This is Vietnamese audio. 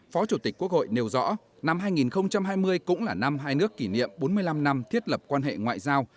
phó chủ tịch quốc hội nêu rõ năm hai nghìn hai mươi cũng là năm hai nước kỷ niệm bốn mươi năm năm thiết lập quan hệ ngoại giao